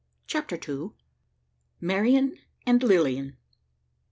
CHAPTER TWO. MARIAN AND LILIAN.